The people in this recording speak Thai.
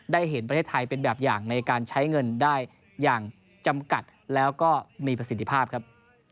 เห็นประเทศไทยเป็นแบบอย่างในการใช้เงินได้อย่างจำกัดแล้วก็มีประสิทธิภาพครับ